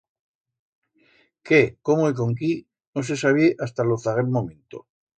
Qué, cómo y con quí, no se sabié hasta lo zaguer momento.